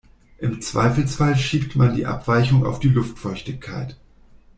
Im Zweifelsfall schiebt man die Abweichung auf die Luftfeuchtigkeit.